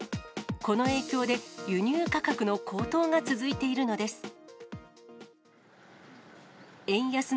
この影響で、輸入価格の高騰が続いているのです。